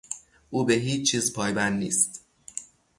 او به هیچ چیز پایبند نیست.